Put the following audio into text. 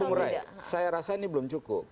bung ray saya rasa ini belum cukup